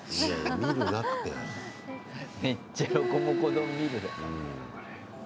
めっちゃロコモコ丼見るな。